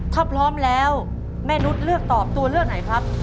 ถ้าพร้อมแล้วแม่นุษย์เลือกตอบตัวเลือกไหนครับ